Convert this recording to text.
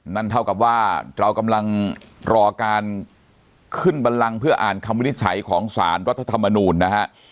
นั่นเท่ากับว่าเรากำลังรอการขึ้นบันลังเพื่ออ่านคำวินิจฉัยของสารรัฐธรรมนูญนะฮะ